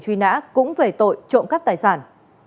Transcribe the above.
truy nã cũng về tội trộm cắp tài sản